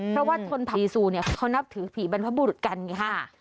เพราะว่าคนพระศรีศูนย์เขานับถือผีบรรพบุรุษกันอย่างนี้ค่ะ